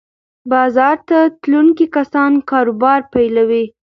بازار ته تلونکي کسان کاروبار پیلوي.